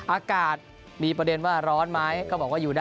อากาศมีประเด็นว่าร้อนมั้ยโดยก็บอกว่าอยู่ได้